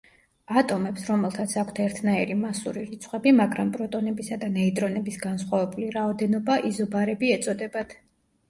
ატომებს, რომელთაც აქვთ ერთნაირი მასური რიცხვები, მაგრამ პროტონებისა და ნეიტრონების განსხვავებული რაოდენობა, იზობარები ეწოდებათ.